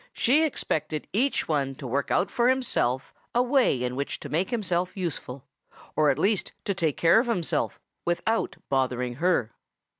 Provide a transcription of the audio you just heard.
She expected each one to work out for himself a way in which to make himself useful, or at least to take care of himself, without bothering her.